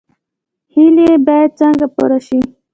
هیلې باید څنګه پوره شي؟